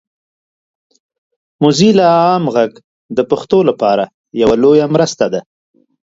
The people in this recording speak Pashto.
موزیلا عام غږ د پښتو لپاره یوه لویه مرسته ده.